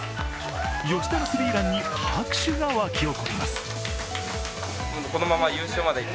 吉田のスリーランに拍手が沸き起こります。